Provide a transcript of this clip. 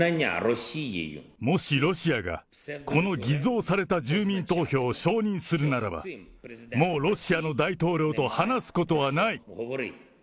もしロシアが、この偽造された住民投票を承認するならば、もうロシアの大統領と話すことはない。